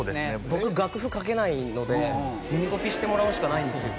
僕楽譜書けないので耳コピしてもらうしかないんですよ